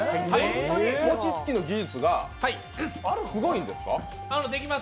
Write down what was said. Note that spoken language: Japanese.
本当の餅つきの技術がすごいんですか？